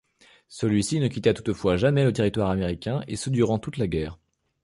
Celui-ci ne quitta toutefois jamais le territoire américain, et ce durant toute la guerre.